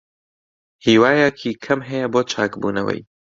هیوایەکی کەم هەیە بۆ چاکبوونەوەی.